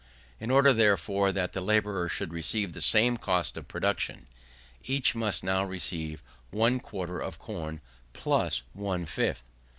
In order, therefore, that each labourer should receive the same cost of production, each must now receive one quarter of corn, plus one fifth.